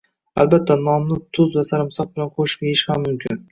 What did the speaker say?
Albatta, nonni tuz va sarimsoq bilan qo‘shib yeyish ham mumkin.